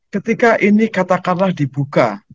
ketika ini katakanlah dibuka